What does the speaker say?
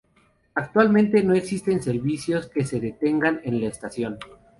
Actualmente no existen servicios que se detengan en la estación.